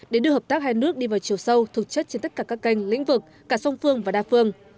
để đưa hợp tác hai nước đi vào chiều sâu thực chất trên tất cả các kênh lĩnh vực cả song phương và đa phương